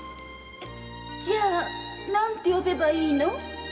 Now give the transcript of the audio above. じゃあ何て呼べばいいの？